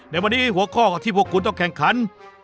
ในวันนี้หัวข้อกับที่พวกคุณต้องแข่งขัน